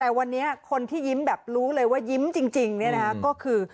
แต่วันนี้คนที่ยิ้มแบบรู้เลยว่ายิ้มจริงก็คือ